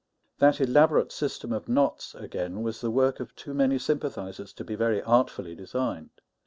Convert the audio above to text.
That elaborate system of knots, again, was the work of too many sympathizers to be very artfully designed.